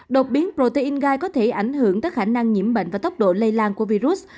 đột biến protein gai có thể ảnh hưởng tới khả năng nhiễm bệnh và tốc độ lây lan của virus